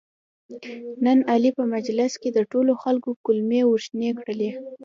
نن علي په مجلس کې د ټولو خلکو کولمې ورشنې کړلې.